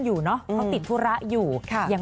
อยู่เนอะเขาติดธุระอยู่ยัง